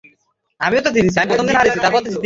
একেবারে এক হয়ে গেছি ওর সঙ্গে।